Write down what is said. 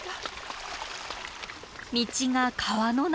道が川の中へ！？